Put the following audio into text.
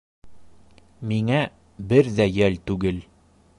—Миңә бер ҙә йәл түгел!